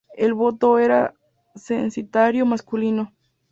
El voto era censitario masculino.